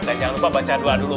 dan jangan lupa baca dua dulu